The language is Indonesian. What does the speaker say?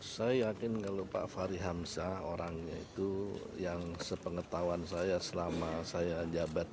saya yakin kalau pak fahri hamzah orangnya itu yang sepengetahuan saya selama saya jabat